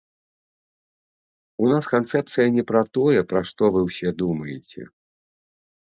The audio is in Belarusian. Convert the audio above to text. У нас канцэпцыя не пра тое, пра што вы ўсе думаеце.